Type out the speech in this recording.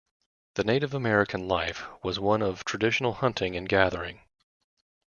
The Native American life was one of traditional hunting and gathering.